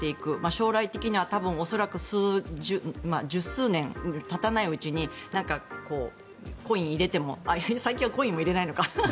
将来的には多分、恐らく１０数年たたないうちにコインを入れても最近はコインも入れないのか。